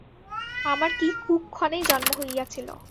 আমার কি কুক্ষণেই জন্ম হইয়াছিল!